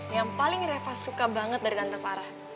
yang paling reva suka banget dari tante farah